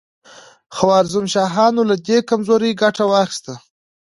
خوارزم شاهانو له دې کمزورۍ ګټه واخیسته.